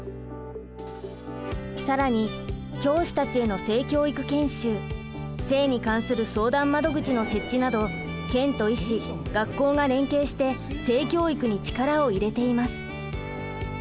更に教師たちへの性教育研修性に関する相談窓口の設置など県と医師学校が連携して性教育に力を入れています。